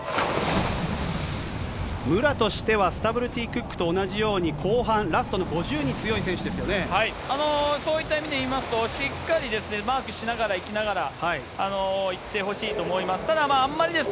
武良としてはスタブルティクックと同じように後半、ラストの５０そういった意味でいいますと、しっかりマークしながら、いきながら行ってほしいと思います。